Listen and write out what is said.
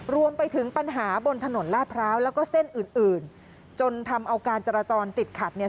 รวมไปถึงปัญหาบนถนนลาดพร้าวแล้วก็เส้นอื่นอื่นจนทำเอาการจราจรติดขัดเนี่ย